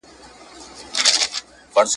چي هر ځای به کار پیدا سو دی تیار وو ..